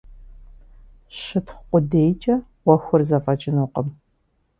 Щытхъу къудейкӀэ Ӏуэхур зэфӀэкӀынукъым.